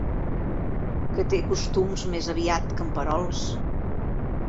Que té costums més aviat camperols.